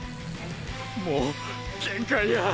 もう限界やぁ